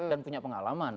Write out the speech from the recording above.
dan punya pengalaman